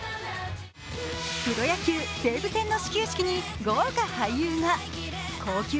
プロ野球、西武戦の始球式に豪華俳優が登場。